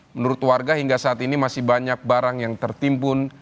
menurut warga hingga saat ini masih banyak barang yang tertimbun